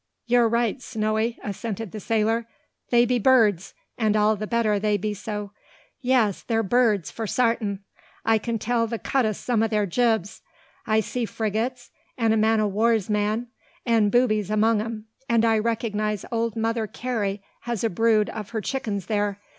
"You're right, Snowy," assented the sailor. "They be birds; and all the better they be so. Yes; they're birds, for sartin. I can tell the cut o' some o' their jibs. I see frigates, an' a man o' war's man, an' boobies among 'em; and I reckon Old Mother Carey has a brood o' her chickens there.